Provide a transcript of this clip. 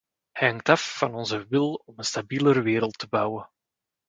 Hij hangt af van onze wil om een stabielere wereld te bouwen.